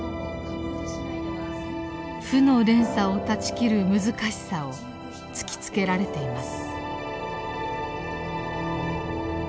負の連鎖を断ち切る難しさを突きつけられています。